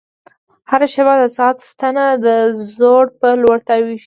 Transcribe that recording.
هره شېبه د ساعت ستنه د ځوړ په لور تاوېږي.